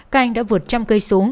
các anh đã vượt trăm cây xuống